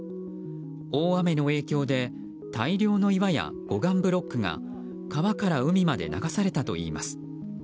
大雨の影響で大量の岩や護岸ブロックが川から海まで流されたといいます。